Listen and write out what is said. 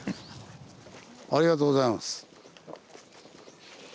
ありがとうございます。